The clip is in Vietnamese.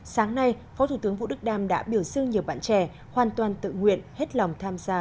sáng nay phó thủ tướng vũ đức đam đã biểu dương nhiều bạn trẻ hoàn toàn tự nguyện hết lòng tham gia